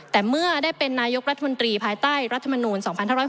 แต่เมื่อได้เป็นนายกรัฐมนตรีภายใต้รัฐมนูล๒๕๖๐